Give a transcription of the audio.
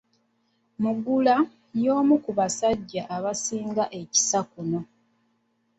Mugula y'omu ku basajja abasinga ekisa kuno.